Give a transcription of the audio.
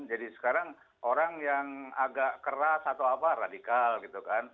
jadi sekarang orang yang agak keras atau apa radikal gitu kan